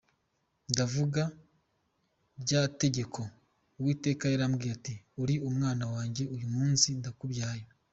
Ndavuga rya tegeko, Uwiteka yarambwiye ati “Uri Umwana wanjye, Uyu munsi ndakubyaye.